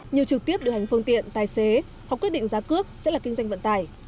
nhiều trực tiếp điều hành phương tiện tài xế hoặc quyết định giá cước sẽ là kinh doanh vận tải